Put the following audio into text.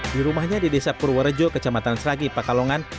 di rumahnya di desa purworejo kecamatan seragi pekalongan